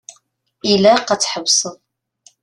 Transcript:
Ilaq ad tḥebseḍ.